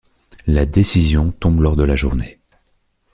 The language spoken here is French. La décision tombe lors de la journée.